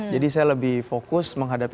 jadi saya lebih fokus menghadapi